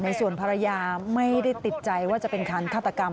ส่วนภรรยาไม่ได้ติดใจว่าจะเป็นการฆาตกรรม